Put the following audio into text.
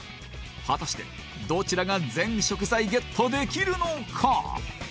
果たしてどちらが全食材ゲットできるのか？